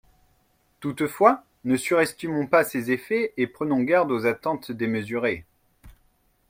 Toutefois, ne surestimons pas ses effets et prenons garde aux attentes démesurées.